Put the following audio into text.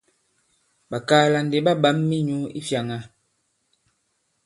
Ɓàkaala ndi ɓa ɓǎm minyǔ i fyāŋā.